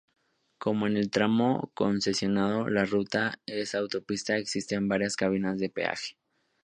Como en el tramo concesionado la ruta es autopista, existen varias cabinas de peaje.